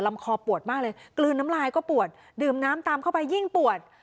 คอปวดมากเลยกลืนน้ำลายก็ปวดดื่มน้ำตามเข้าไปยิ่งปวด